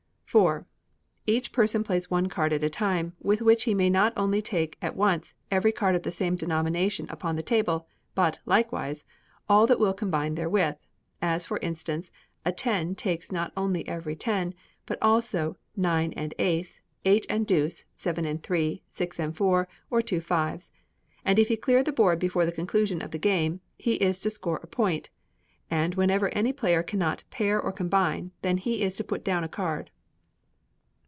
iv. Each person plays one card at a time, with which he may not only take at once every card of the same denomination upon the table, but likewise all that will combine therewith; as, for instance, a ten takes not only every ten, but also nine and ace, eight and deuce, seven and three, six and four, or two fives; and if he clear the board before the conclusion of the game, he is to score a point; and whenever any player cannot pair or combine, then he is to put down a card.